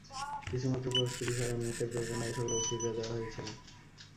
কিছুমাত্র প্রস্তুতি ছাড়াই মু্হূর্তের প্রেরণায় এ-সকল বক্তৃতা দেওয়া হয়েছিল।